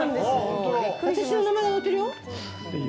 私の名前が載ってるよ。